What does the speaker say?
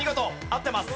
合ってます。